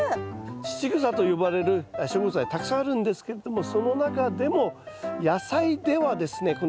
乳草と呼ばれる植物はたくさんあるんですけれどもその中でも野菜ではですね